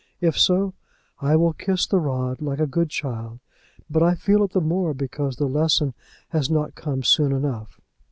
If so, I will kiss the rod like a good child; but I feel it the more because the lesson has not come soon enough."